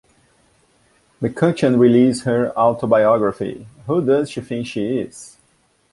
McCutcheon released her autobiography, Who Does She Think She Is?